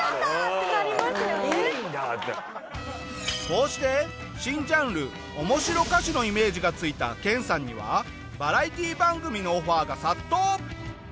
こうして新ジャンルおもしろ歌手のイメージがついた研さんにはバラエティ番組のオファーが殺到。